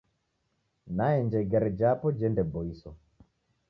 Naenja igare japo jendeboiswa.